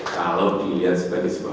kalau dilihat sebagai sebuah